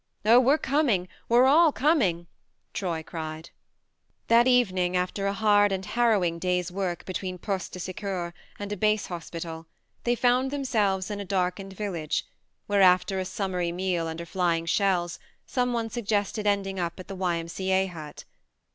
..."" Oh, we're coming we're all com ing !" Troy cried. That evening, after a hard and harrowing day's work between posies de secours and a base hospital, they found themselves in a darkened village, where, after a summary meal under flying shells, some one suggested ending upattheY.M.C.A. hut.